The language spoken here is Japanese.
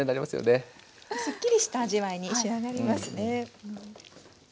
すっきりした味わいに仕上がりますね。